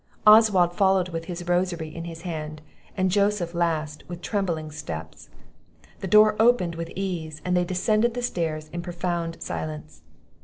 Oswald followed with his rosary in his hand, and Joseph last with trembling steps. The door opened with ease, and they descended the stairs in profound silence.